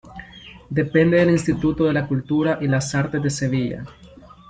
Depende del Instituto de la Cultura y las Artes de Sevilla.